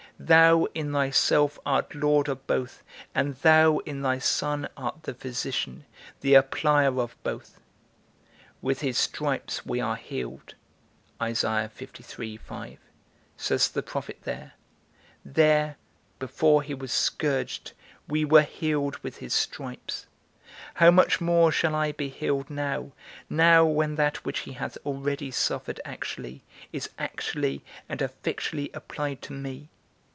Thou in thyself art Lord of both, and thou in thy Son art the physician, the applier of both. With his stripes we are healed, says the prophet there; there, before he was scourged, we were healed with his stripes; how much more shall I be healed now, now when that which he hath already suffered actually is actually and effectually applied to me?